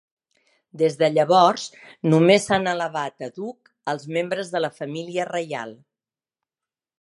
Des de llavors només s'han elevat a duc als membres de la família reial.